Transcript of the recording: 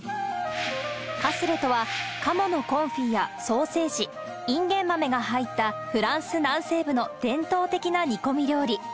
カスレとは、カモのコンフィやソーセージ、インゲンマメが入った、フランス南西部の伝統的な煮込み料理。